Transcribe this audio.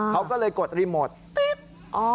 เขาก็เลยกดรีโมทติ๊บ